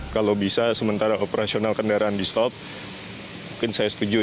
kalau bisa sementara operasional kendaraan di stop mungkin saya setuju